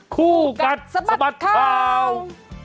คู่กัดสมัติครัว